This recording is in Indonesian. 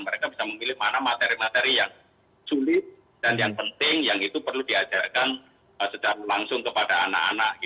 mereka bisa memilih mana materi materi yang sulit dan yang penting yang itu perlu diajarkan secara langsung kepada anak anak